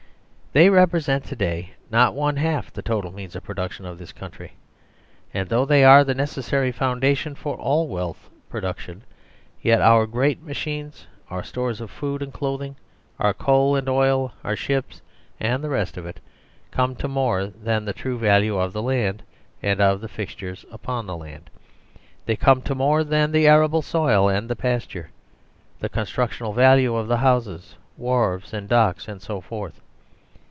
They represent to day not one half the total means of production of this country, and though they are the necessary foundation for all wealth production, yet our great machines, our stores of food and clothing, our coal and oil, our ships and the rest of it, come to more than the true value of the land and of the fixtures upon the land : they come to more than the arable soil and the pasture, the con structional valueof the houses, wharves anddocks, and so forth.